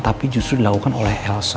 tapi justru dilakukan oleh elsa